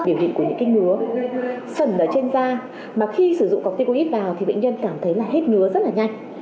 biểu hiện của những kinh ngứa sẩn ở trên da mà khi sử dụng corticlip vào thì bệnh nhân cảm thấy là hết ngứa rất là nhanh